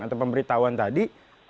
atau pemberitahuan tadi